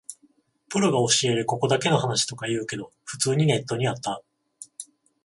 プロが教えるここだけの話とか言うけど、普通にネットにあった